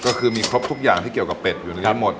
ก็คือมีครบทุกอย่างที่เกี่ยวกับเป็ดอยู่ในนั้นหมด